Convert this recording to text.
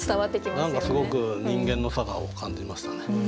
何かすごく人間の性を感じましたね。